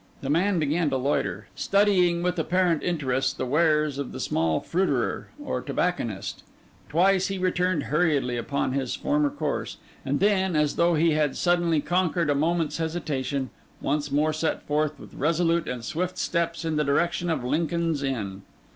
The man began to loiter, studying with apparent interest the wares of the small fruiterer or tobacconist; twice he returned hurriedly upon his former course; and then, as though he had suddenly conquered a moment's hesitation, once more set forth with resolute and swift steps in the direction of Lincoln's Inn.